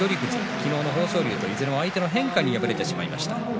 昨日の豊昇龍と、いずれも相手の変化に敗れてしまいました。